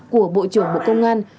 của bộ trưởng bộ công an